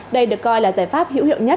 đây được coi là giải pháp hữu hiệu nhất